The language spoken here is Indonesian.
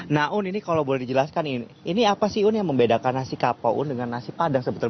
nah un ini kalau boleh dijelaskan ini apa sih un yang membedakan nasi kapau un dengan nasi padang sebetulnya